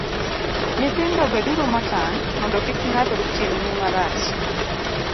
Nyithindo, beduru motang' mondo kik ng'ato timnu marach.